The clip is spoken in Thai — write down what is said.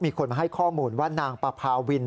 มีคนมาให้ข้อมูลว่านางปภาวิน